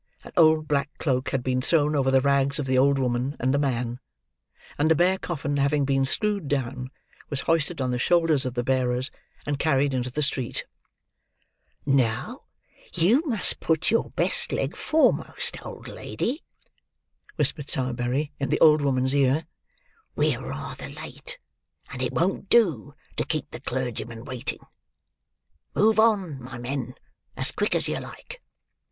An old black cloak had been thrown over the rags of the old woman and the man; and the bare coffin having been screwed down, was hoisted on the shoulders of the bearers, and carried into the street. "Now, you must put your best leg foremost, old lady!" whispered Sowerberry in the old woman's ear; "we are rather late; and it won't do, to keep the clergyman waiting. Move on, my men,—as quick as you like!"